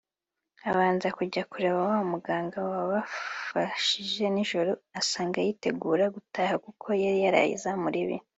abanza kujya kureba wa muganga wabafashije nijoro asanga yitegura gutaha kuko yari yaraye izamu ribi